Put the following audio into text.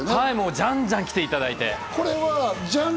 じゃんじゃん来ていただいて。